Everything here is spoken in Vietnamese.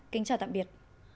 kính chào tạm biệt